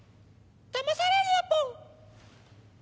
だまされるなポン！